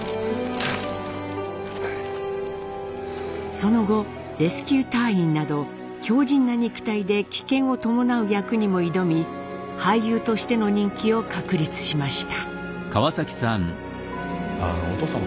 その後レスキュー隊員など強じんな肉体で危険を伴う役にも挑み俳優としての人気を確立しました。